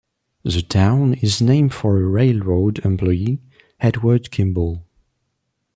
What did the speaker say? The town is named for a railroad employee, Edward Kimball.